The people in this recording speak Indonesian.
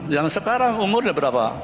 yang sekarang umurnya berapa